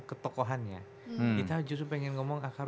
ketokohannya kita justru pengen ngomong akar